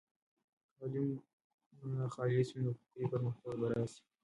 که علم خالص وي، نو فکري پرمختګ به راسي.